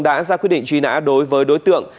đã ra quyết định truy nã đối với đối tượng